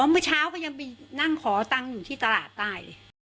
เมื่อเช้าก็ยังไปนั่งขอตังค์อยู่ที่ตลาดใต้